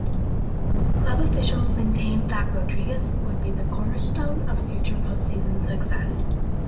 Club officials maintained that Rodriguez would be the cornerstone of future postseason success.